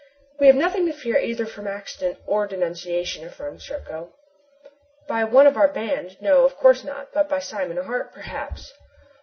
"We have nothing to fear either from accident or denunciation," affirmed Serko. "By one of our band, no, of course not, but by Simon Hart, perhaps."